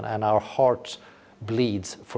dan hati kita berdengkur